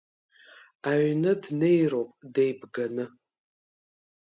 Аҩны днеироуп деибганы…